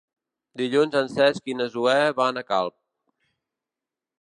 Dilluns en Cesc i na Zoè van a Calp.